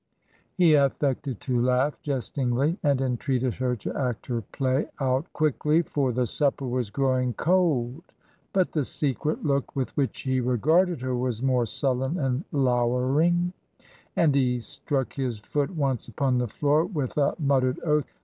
He affected to laugh jest ingly, and entreated her to act her play out quickly, for the supper was growing cold. But the secret look with which he regarded her was more sullen and lowering, and he struck his foot once upon the floor with a mut tered oath.